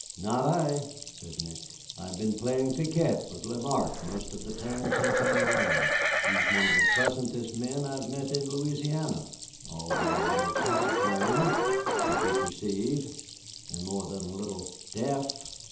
"Not I," said Nick. "I have been playing piquet with Lamarque most of the time since I arrived. He is one of the pleasantest men I have met in Louisiana, although a little taciturn, as you perceive, and more than a little deaf.